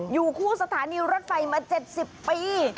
อยู่คู่สถานีรถไฟมา๗๐ปี